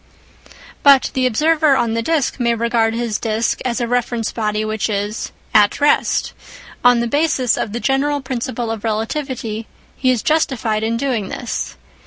But the observer on the disc may regard his disc as a reference body which is " at rest "; on the basis of the general principle of relativity he is justified in doing this.